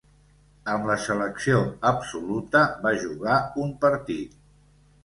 Amb la selecció absoluta va jugar un partit.